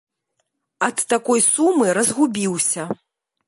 Ад такой сумы разгубіўся.